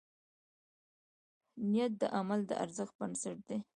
نیت د عمل د ارزښت بنسټ دی.